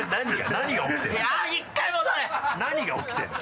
何が起きてるの？